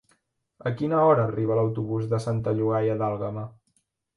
A quina hora arriba l'autobús de Santa Llogaia d'Àlguema?